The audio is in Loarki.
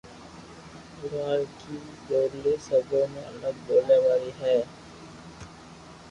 لوھارڪي ٻولي سبو مون الگ ٻوليا واري